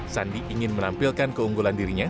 sandi ingin menampilkan keunggulan dirinya